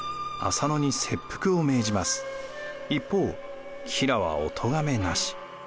一方吉良はおとがめなし。